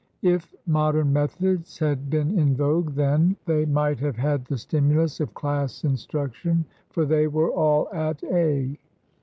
If modern methods had been in vogue then, they might have had the stimulus of class instruc tion, for they were all at " A."